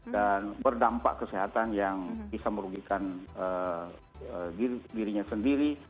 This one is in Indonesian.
dan berdampak kesehatan yang berkonsekuensi